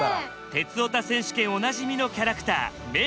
「鉄オタ選手権」おなじみのキャラクターメーテル。